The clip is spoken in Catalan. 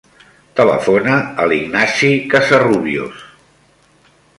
Telefona a l'Ignasi Casarrubios.